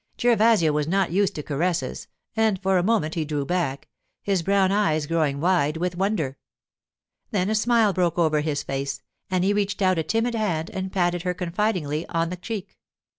Gervasio was not used to caresses, and for a moment he drew back, his brown eyes growing wide with wonder. Then a smile broke over his face, and he reached out a timid hand and patted her confidingly on the cheek.